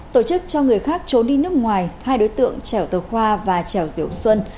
tổ chức cho người khác trốn đi nước ngoài hai đối tượng trèo tờ khoa và trèo diệu xuân